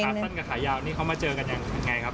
ฝ่ายขาสั้นกับขายาวนี้เขามาเจอกันอย่างไรครับ